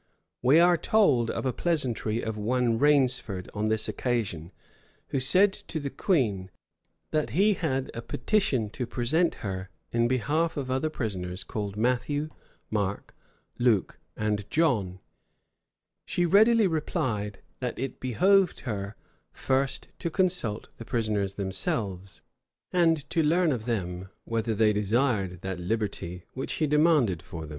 We are told of a pleasantry of one Rainsford on this occasion, who said to the queen, that he had a petition to present her in behalf of other prisoners called Matthew, Mark, Luke, and John: she readily replied, that it behoved her first to consult the prisoners themselves, and to learn of them whether they desired that liberty which he demanded for them.